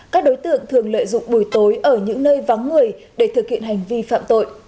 các đối tượng thường lợi dụng buổi tối ở những nơi vắng người để thực hiện hành vi phạm tội